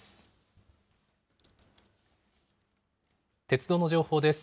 鉄道の情報です。